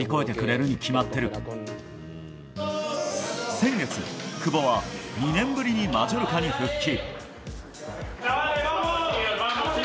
先月、久保は２年ぶりにマジョルカに復帰。